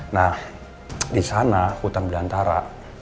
nah disana hutan belantara